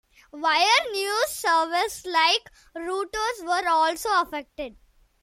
Wire news services, like Reuters, were also affected.